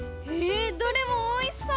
どれもおいしそう！